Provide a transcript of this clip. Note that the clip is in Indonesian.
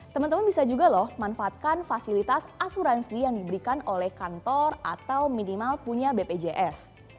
teman teman bisa juga loh manfaatkan fasilitas asuransi yang diberikan oleh kantor atau minimal punya bpjs